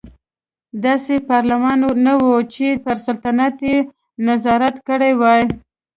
داسې پارلمان نه و چې پر سلطنت یې نظارت کړی وای.